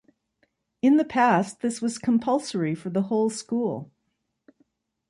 In the past, this was compulsory for the whole school.